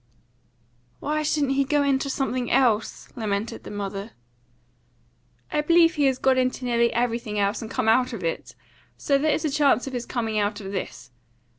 "Why shouldn't he go into something else?" lamented the mother. "I believe he has gone into nearly everything else and come out of it. So there is a chance of his coming out of this.